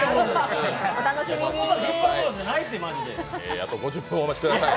あと５０分お待ちください。